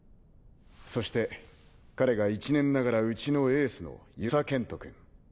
そして彼が１年ながらうちのエースの遊佐賢人君。